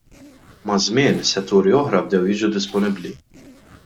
Maż-żmien, setturi oħra bdew jiġu disponibbli.